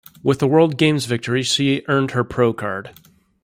With the World Games victory she earned her pro card.